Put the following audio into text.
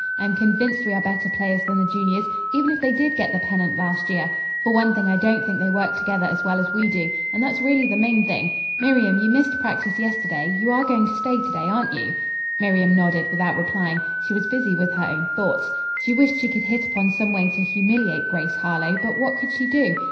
I am convinced we are better players than the juniors, even if they did get the pennant last year. For one thing I don't think they work together as well as we do, and that's really the main thing. Miriam, you missed practice yesterday. You are going to stay to day, aren't you?" Miriam nodded without replying. She was busy with her own thoughts. She wished she could hit upon some way to humiliate Grace Harlowe. But what could she do?